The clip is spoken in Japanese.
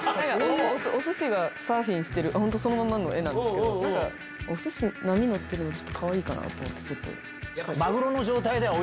おすしがサーフィンしてるそのままの絵なんですけどおすし波に乗ってるのかわいいかなと思ってちょっと。